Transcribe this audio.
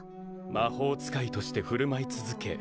・魔法使いとして振る舞い続け